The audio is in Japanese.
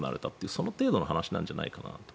その程度の話なんじゃないかなと。